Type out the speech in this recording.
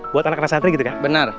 buat anak anak santri gitu kan benar